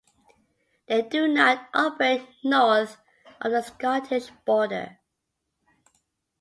They do not operate North of the Scottish border.